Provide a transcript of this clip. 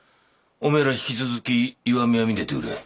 おめえら引き続き石見屋見ててくれ。